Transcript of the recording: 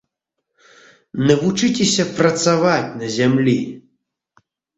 Навучыцеся працаваць на зямлі.